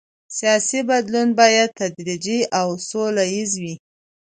سیاسي بدلون باید تدریجي او سوله ییز وي